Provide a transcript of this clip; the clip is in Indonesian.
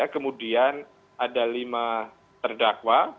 kemudian ada lima terdakwa